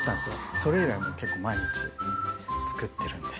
それ以来結構毎日作ってるんです。